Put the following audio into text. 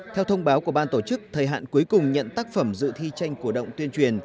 theo thông báo của ban tổ chức thời hạn cuối cùng nhận tác phẩm dự thi tranh cổ động tuyên truyền